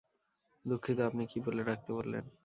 দুঃখিত, আপনি কী বলে ডাকতে বললেন?